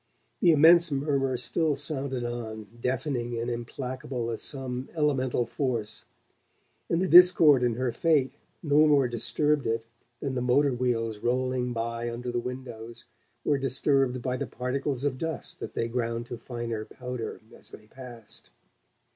The immense murmur still sounded on, deafening and implacable as some elemental force; and the discord in her fate no more disturbed it than the motor wheels rolling by under the windows were disturbed by the particles of dust that they ground to finer powder as they passed.